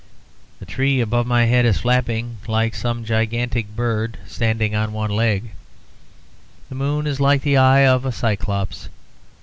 The tree above my head is flapping like some gigantic bird standing on one leg; the moon is like the eye of a Cyclops.